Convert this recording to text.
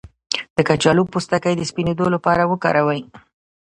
د کچالو پوستکی د سپینیدو لپاره وکاروئ